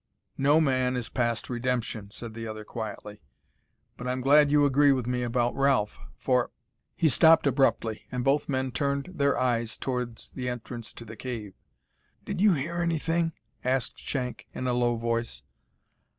"No man is past redemption," said the other quietly; "but I'm glad you agree with me about Ralph, for " He stopped abruptly, and both men turned their eyes towards the entrance to the cave. "Did you hear anything?" asked Shank, in a low voice.